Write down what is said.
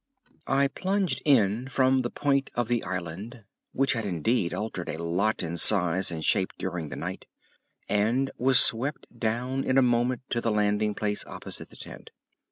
I plunged in from the point of the island, which had indeed altered a lot in size and shape during the night, and was swept down in a moment to the landing place opposite the tent.